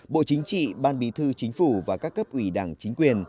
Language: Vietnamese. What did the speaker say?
bộ chính trị ban bí thư chính phủ và các cấp ủy đảng chính quyền